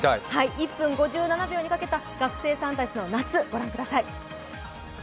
１分５７秒にかけた学生さんたちの夏御覧ください。